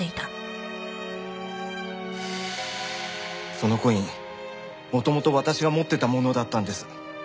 そのコイン元々私が持ってたものだったんです。